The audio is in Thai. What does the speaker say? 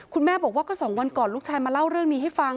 คุณแม่บอกว่าก็๒วันก่อนลูกชายมาเล่าเรื่องนี้ให้ฟัง